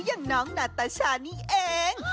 อย่างน้องนาตาชานี่เอง